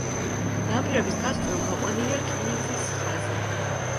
ნაპირების გასწვრივ გაყვანილია რკინიგზის ხაზი.